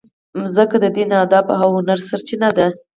مځکه د دین، ادب او هنر سرچینه ده.